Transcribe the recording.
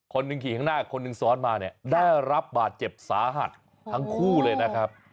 คนหนึ่งขี่ข้างหน้าคนหนึ่งซ้อนมาเนี่ยได้รับบาดเจ็บสาหัสทั้งคู่เลยนะครับ